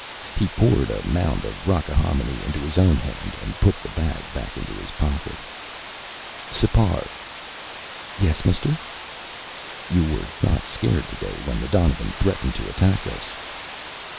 He poured a mound of rockahominy into his own hand and put the bag back into his pocket. "Sipar." "Yes, mister?" "You were not scared today when the donovan threatened to attack us."